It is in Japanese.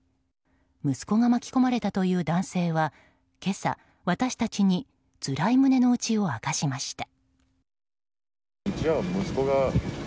息子が巻き込まれたという男性は今朝、私たちにつらい胸の内を明かしました。